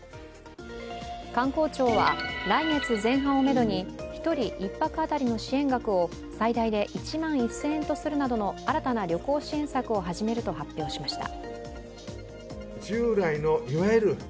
観光庁は来月前半をめどに１人１泊当たりの支援額を最大で１万１０００円とするなど、新たな旅行支援策を始めると発表しました。